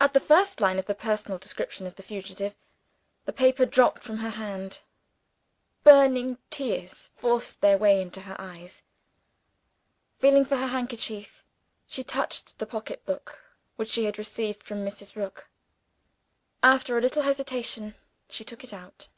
At the first line of the personal description of the fugitive, the paper dropped from her hand. Burning tears forced their way into her eyes. Feeling for her handkerchief, she touched the pocketbook which she had received from Mrs. Rook. After a little hesitation she took it out.